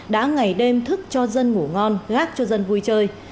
đã ngày đêm thức cho dân ngủ ngon gác cho dân vui chơi